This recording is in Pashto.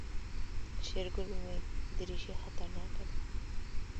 شېرګل وويل دريشي خطرناکه ده.